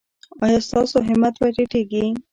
ایا ستاسو همت به ټیټیږي؟